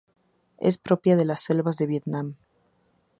Es propia de las selvas de Vietnam.